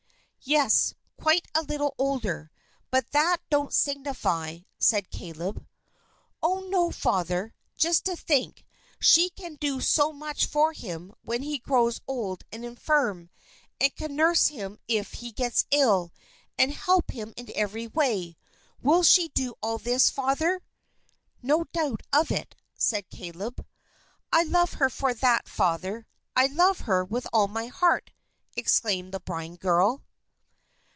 "Yes, quite a little older; but that don't signify," said Caleb. "Oh, no, Father! Just to think, she can do so much for him when he grows old and infirm, and can nurse him if he gets ill, and help him in every way. Will she do all this, Father?" "No doubt of it," said Caleb. "I love her for that, Father. I love her with all my heart," exclaimed the blind girl.